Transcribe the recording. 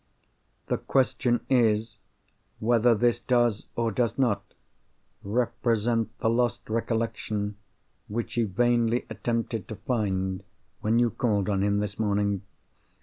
The question is whether this does, or does not, represent the lost recollection which he vainly attempted to find when you called on him this morning?"